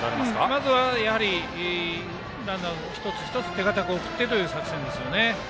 まずはランナーを一つ一つ手堅く送る作戦ですよね。